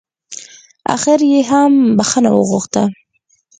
اخر يې هم بښنه وغوښته.